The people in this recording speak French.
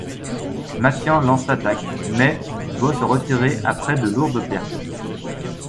Mathian lance l’attaque mais doit se retirer après de lourdes pertes.